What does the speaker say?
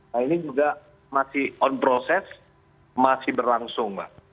nah ini juga masih on proses masih berlangsung pak